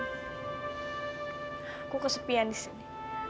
aku kesepian di sini